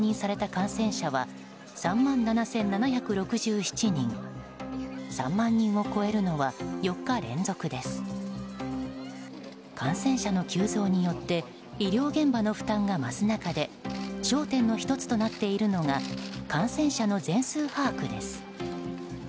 感染者の急増によって医療現場の負担が増す中で焦点の１つとなっているのが感染者の全数把握です。